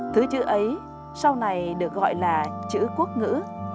thứ chữ ấy sau này được gọi là chữ quốc ngữ